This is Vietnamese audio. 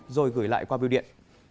rồi gửi lại qua biêu điện